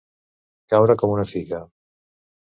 Caure com una figa.